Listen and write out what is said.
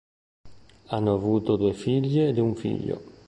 Hanno avuto due figlie ed un figlio.